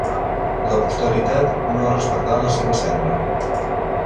La posteritat no ha respectat la seva cendra.